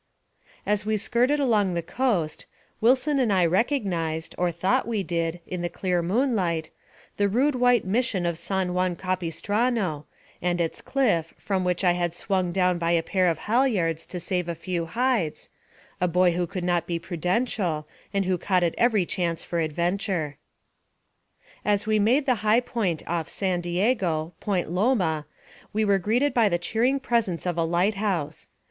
As we skirted along the coast, Wilson and I recognized, or thought we did, in the clear moonlight, the rude white Mission of San Juan Capistrano, and its cliff, from which I had swung down by a pair of halyards to save a few hides, a boy who could not be prudential, and who caught at every chance for adventure. As we made the high point off San Diego, Point Loma, we were greeted by the cheering presence of a light house.